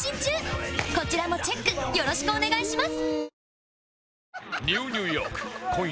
こちらもチェックよろしくお願いします